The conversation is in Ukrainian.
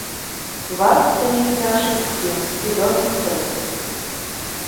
Вас, синів наших, сім і доньок три.